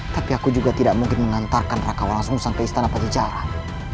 tapi aku juga tidak mungkin mengantarkan raka walang sungsang ke istana pajajaran